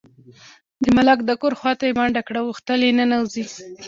د ملک د کور خواته یې منډه کړه، غوښتل یې ننوځي.